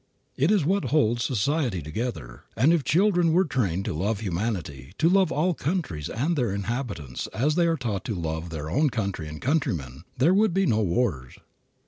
It is what holds society together, and if children were trained to love humanity, to love all countries and their inhabitants as they are taught to love their own country and countrymen, there would be no wars.